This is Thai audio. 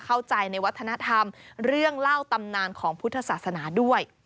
เข้าใจในวัฒนธรรมเรื่องเล่าตำนานของพุทธศาสนาด้วย